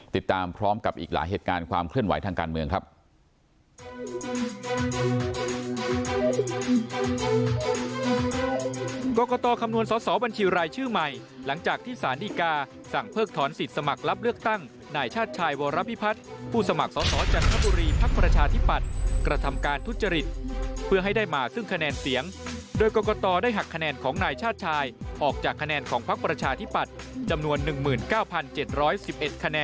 ติดตามพร้อมกับอีกหลายเหตุการณ์ความเคลื่อนไหวทางการเมืองครับ